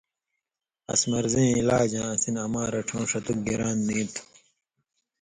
اَس مرضیں علاج آں اسی نہ اما رڇھؤں ݜتُک گِران نی تُھو۔